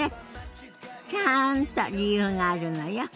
ちゃんと理由があるのよ。